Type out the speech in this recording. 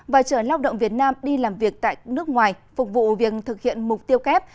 và chở lao động việt nam đi làm việc tại nước ngoài phục vụ việc thực hiện mục tiêu kép